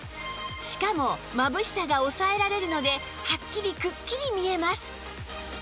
しかもまぶしさが抑えられるのではっきりくっきり見えます